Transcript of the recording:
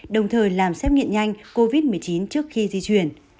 đồng thời làm xếp nghiện nhanh covid một mươi chín trước khi di chuyển